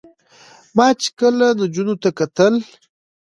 ما چې کله نجونو ته کتل